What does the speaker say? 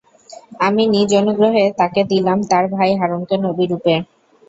আমি নিজ অনুগ্রহে তাকে দিলাম তার ভাই হারূনকে নবীরূপে।